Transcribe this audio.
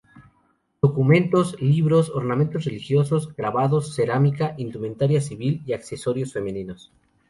Documentos, libros, ornamentos religiosos, grabados, cerámica, indumentaria civil y accesorios femeninos.